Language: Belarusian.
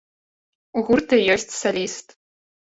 У гурта ёсць саліст.